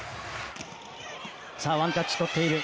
さあワンタッチ取っている。